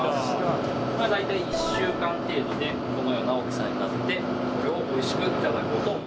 大体１週間程度でこのような大きさになってこれを美味しく頂こうと。